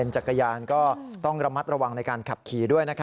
ใช่